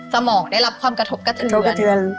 สมองได้รับความกระทบกระเทือน